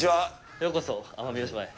ようこそ、奄美大島へ。